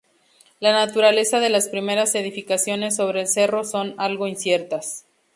La naturaleza de las primeras edificaciones sobre el cerro son algo inciertas.